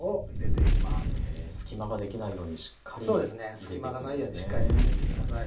隙間がないようにしっかり入れて下さい。